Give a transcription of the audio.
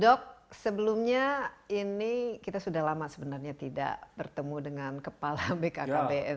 dok sebelumnya ini kita sudah lama sebenarnya tidak bertemu dengan kepala bkkbn